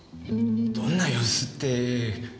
どんな様子って別に。